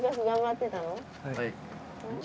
はい。